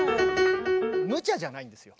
むちゃじゃないんですよ。